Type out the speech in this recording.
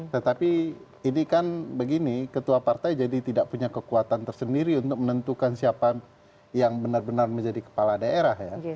tetapi ini kan begini ketua partai jadi tidak punya kekuatan tersendiri untuk menentukan siapa yang benar benar menjadi kepala daerah ya